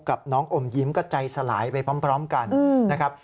กับน้องอมยิ้มก็ใจสลายไปพร้อมกันนะครับ